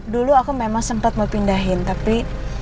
dulu aku memang sempat mau pindahin tapi